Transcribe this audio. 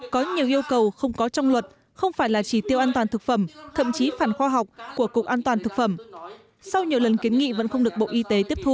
có nhiều yêu cầu không có trong luật không phải là chỉ tiêu an toàn thực phẩm thậm chí phản khoa học của cục an toàn thực phẩm sau nhiều lần kiến nghị vẫn không được bộ y tế tiếp thu